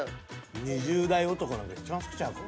２０代男なんかいちばん好きちゃうか。